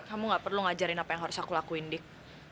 kamu gak perlu ngajarin apa yang harus aku lakuin dik